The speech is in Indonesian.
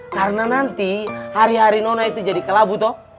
karena nanti hari hari nona itu jadi kelabu toh